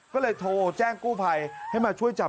ก็เลยโทรแจ้งกู้ภัยให้มาช่วยจับ